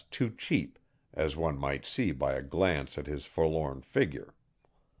too cheap, as one might see by a glance at his forlorn figure.